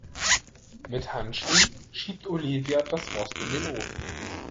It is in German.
Mit Handschuhen schiebt Olivia das Rost in den Ofen.